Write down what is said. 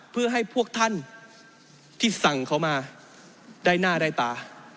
เพื่อให้พวกท่านที่สั่งเขามาได้หน้าได้ตา